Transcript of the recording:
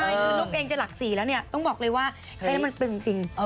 ลูกเองจะหลัก๔แล้วต้องบอกเลยว่ามันตึงจริง